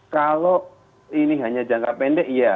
kalau ini hanya jangka pendek iya